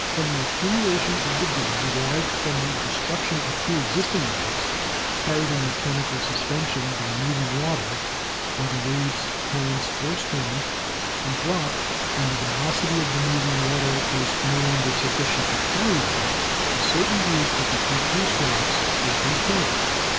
From the accumulation of debris derived from the de struction of preexisting rocks, carried in mechanical sus pension by moving water, whether waves, currents or streams, and dropped when the velocity of the moving water was no longer sufficient to carry them, a certain group of the Aqueous Rocks has been formed.